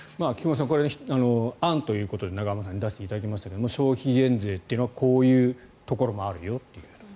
案ということで出していただきましたが消費減税というのはこういうところもあるよと。